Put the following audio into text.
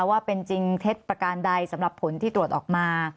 ว่าเป็นจริงเท็จประการใดสำหรับผลที่ตรวจออกมา